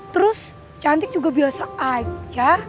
terus cantik juga biasa aja